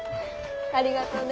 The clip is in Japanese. ありがとうね。